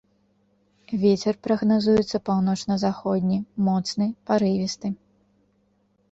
Вецер прагназуецца паўночна-заходні, моцны парывісты.